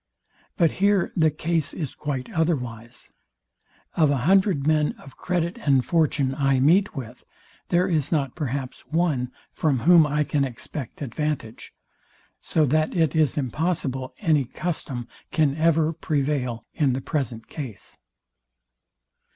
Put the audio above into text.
But here the case is quite otherwise. Of a hundred men of credit and fortune I meet with, there is not, perhaps, one from whom I can expect advantage; so that it is impossible any custom can ever prevail in the present case.